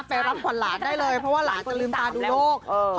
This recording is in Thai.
ไปรับขวัญหลานได้เลยเพราะว่าหลานจะลืมตาดูโลก